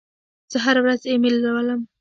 زه هره ورځ ایمیل لولم.